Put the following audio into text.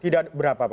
tidak berapa pak